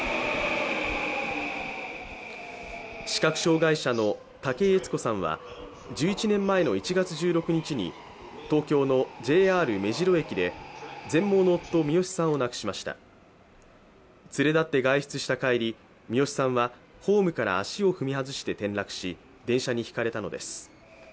視覚障害者の武井悦子さんは１１年前の１月１６日に東京のＪＲ目白駅で全盲の夫、視良さんを亡くしました連れだって外出した帰り視良さんは、ホームから足を踏み外して転落し、電車にひかれたのです。